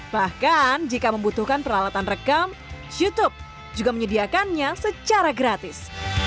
bahkan jika membutuhkan peralatan rekam youtube juga menyediakannya secara gratis